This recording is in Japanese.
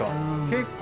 結構。